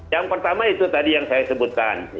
yang pertama itu tadi yang saya sebutkan